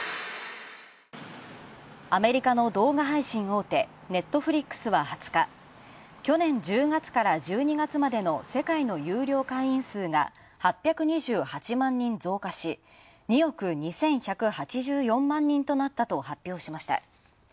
アメリカの動画配信大手・Ｎｅｔｆｌｉｘは２０日、去年１０月から１２月までの世界の有料会員数が８２８万人増加し２億２１８４万人となったと発表しました。